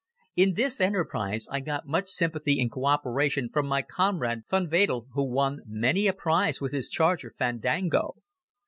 In this enterprise I got much sympathy and co operation from my comrade von Wedel, who won many a prize with his charger, Fandango.